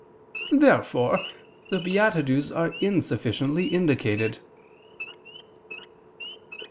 Therefore the beatitudes are insufficiently indicated. Obj.